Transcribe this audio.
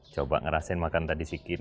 coba ngerasain makan tadi sikin